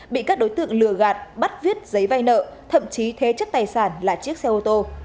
bị các đối tượng lừa gạt bắt viết giấy vay nợ thậm chí thế chất tài sản là chiếc xe ô tô